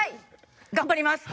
頑張ります。